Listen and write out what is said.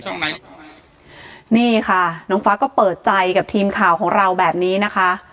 นี่ค่ะน้องฟ้าก็เปิดใจกับทีมข่าวของเราแบบนี้นะคะ